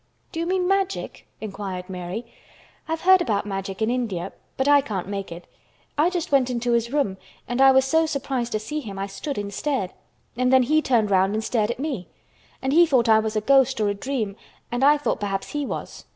"Do you mean Magic?" inquired Mary. "I've heard about Magic in India, but I can't make it. I just went into his room and I was so surprised to see him I stood and stared. And then he turned round and stared at me. And he thought I was a ghost or a dream and I thought perhaps he was.